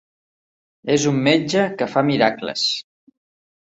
És un metge que fa miracles.